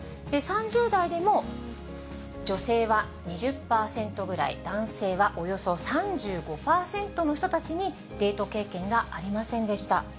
３０代でも女性は２０％ぐらい、男性はおよそ３５％の人たちにデート経験がありませんでした。